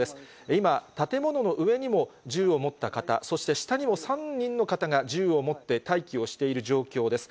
今、建物の上にも銃を持った方、そして下にも３人の方が銃を持って待機をしている状況です。